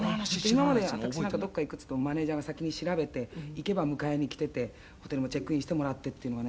「今までは私なんかどっか行くっつってもマネジャーが先に調べて行けば迎えに来ててホテルもチェックインしてもらってっていうのがね